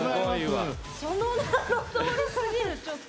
その名のとおりすぎる、ちょっと。